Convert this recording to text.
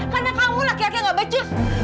karena kamu laki laki gak becus